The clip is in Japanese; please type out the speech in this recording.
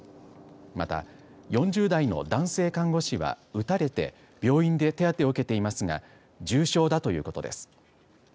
また４０代の男性看護師は撃たれて、病院で手当てを受けていますが重傷だということです。